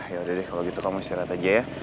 yaudah deh kalau gitu kamu istirahat aja ya